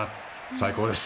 最高です！